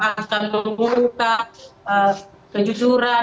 akan mengungkap kejujuran